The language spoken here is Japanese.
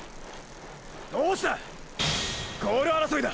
どうした⁉ゴール争いだ！！